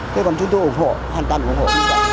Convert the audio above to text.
thế còn chúng tôi ủng hộ hoàn toàn ủng hộ